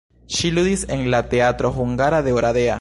Ŝi ludis en la teatro hungara de Oradea.